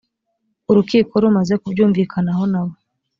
urukiko rumaze kubyumvikanaho nabo